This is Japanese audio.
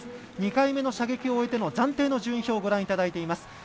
２回目の射撃を終えての暫定の順位表をご覧いただいています。